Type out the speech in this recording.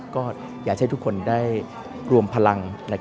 ก็อยากให้ทุกคนได้รวมพลัง